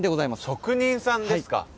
職人さんですか。